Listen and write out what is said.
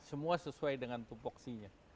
semua sesuai dengan topoksinya